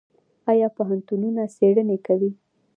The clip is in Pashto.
آیا پوهنتونونه څیړنې کوي؟